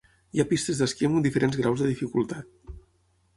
Hi ha pistes d'esquí amb diferents graus de dificultat.